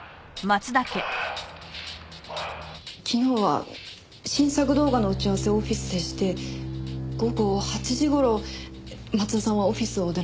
昨日は新作動画の打ち合わせをオフィスでして午後８時頃松田さんはオフィスを出られました。